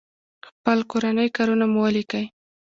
خپل کورني کارونه مو وليکئ!